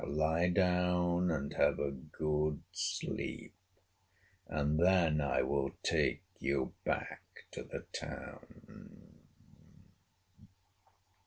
Lie down and have a good sleep, and then I will take you back to the town."